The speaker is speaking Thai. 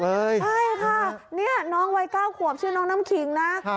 เอ้าน้องวัย๙ขวบชื่อน้องน้ำขิงนะ